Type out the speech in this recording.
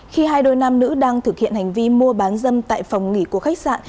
khi hai đôi nam nữ đang thực hiện hành vi mua bán dâm tại phòng nghỉ của khách sạn